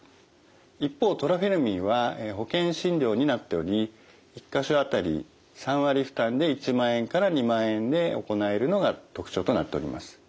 一方トラフェルミンは保険診療になっており１か所あたり３割負担で１万円から２万円で行えるのが特徴となっております。